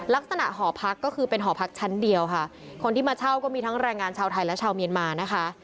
หอพักก็คือเป็นหอพักชั้นเดียวค่ะคนที่มาเช่าก็มีทั้งแรงงานชาวไทยและชาวเมียนมานะคะ